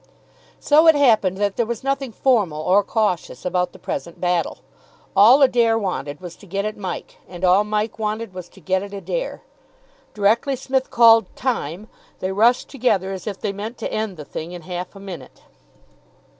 So it happened that there was nothing formal or cautious about the present battle. All Adair wanted was to get at Mike, and all Mike wanted was to get at Adair. Directly Psmith called "time," they rushed together as if they meant to end the thing in half a minute.